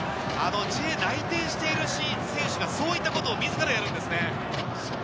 Ｊ内定している選手がそういったことを自らやるんですね。